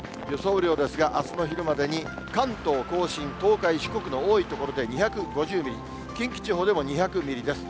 雨量ですが、あすの昼までに関東甲信、東海、四国の多い所で２５０ミリ、近畿地方でも２００ミリです。